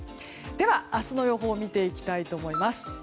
では、明日の予報を見ていきたいと思います。